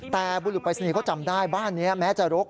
แต่บุรุษปรายศนีย์เขาจำได้บ้านนี้แม้จะรก